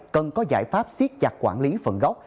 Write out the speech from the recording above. cần có giải pháp siết chặt quản lý phần gốc